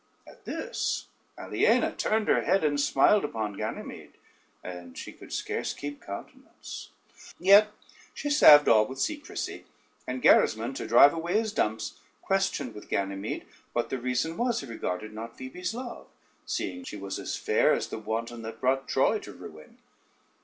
At this Aliena turned her head and smiled upon Ganymede, and she could scarce keep countenance. Yet she salved all with secrecy; and Gerismond, to drive away his dumps, questioned with Ganymede, what the reason was he regarded not Phoebe's love, seeing she was as fair as the wanton that brought Troy to ruin.